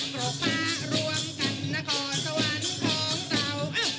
โปรภาครวมกันนครสวรรค์ของเรา